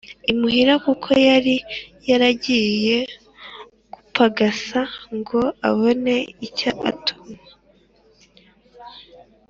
Imuhira kuko yari yaragiye gupagasa ngo abone icyatunga umuryango